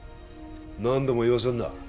何度も言わせんな